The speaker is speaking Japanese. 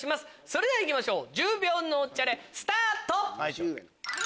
それでは行きましょう１０秒脳チャレスタート！